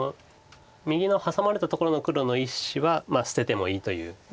右のハサまれたところの黒の１子は捨ててもいいということです。